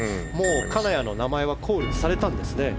金谷の名前はコールされたんですね。